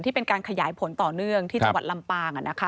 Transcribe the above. เป็นการขยายผลต่อเนื่องที่จังหวัดลำปาง